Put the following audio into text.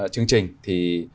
chương trình thì